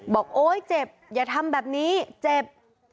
โอ๊ยเจ็บอย่าทำแบบนี้เจ็บ